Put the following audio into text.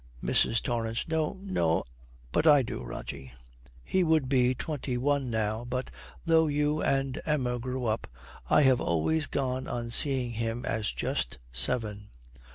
MRS. TORRANCE. 'No no. But I do, Rogie. He would be twenty one now; but though you and Emma grew up I have always gone on seeing him as just seven.